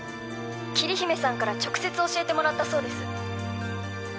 ☎桐姫さんから直接教えてもらったそうです